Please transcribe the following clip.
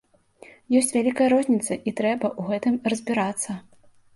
Ёсць вялікая розніца і трэба ў гэтым разбірацца.